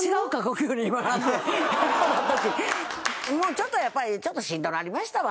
ちょっとやっぱりちょっとしんどなりましたわ。